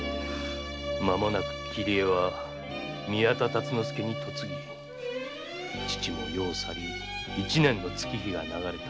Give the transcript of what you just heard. まもなく桐江は宮田達之助に嫁ぎ父も世を去り一年の月日が流れた。